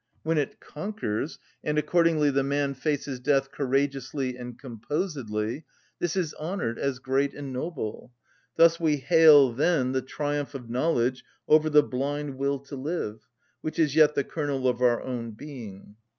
When it conquers, and accordingly the man faces death courageously and composedly, this is honoured as great and noble, thus we hail then the triumph of knowledge over the blind will to live, which is yet the kernel of our own being.